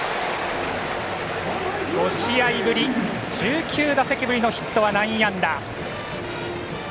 ５試合ぶり、１９打席ぶりのヒットは内野安打。